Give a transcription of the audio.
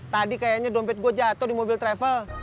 tadi kayaknya dompet gue jatuh di mobil travel